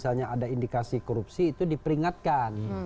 misalnya ada indikasi korupsi itu diperingatkan